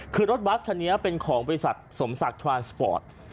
คือรถบัสคันนี้เป็นของบริษัทสมศักดิ์ทรานสปอร์ต